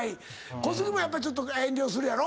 小杉もやっぱりちょっと遠慮するやろ？